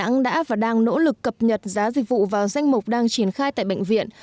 đà nẵng đã và đang nỗ lực cập nhật giá dịch vụ vào danh mục đang triển khai tại bệnh viện